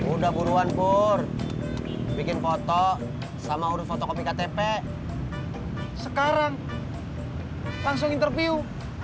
udah buruan pur bikin foto sama urut fotokopi ktp sekarang langsung interview